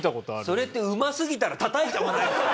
それってうますぎたらたたいちゃわないですかね？